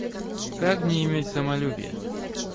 Как не иметь самолюбия?